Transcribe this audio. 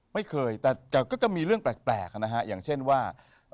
ไม่เคยแต่ก็จะมีเรื่องแปลกนะฮะอย่างเช่นว่า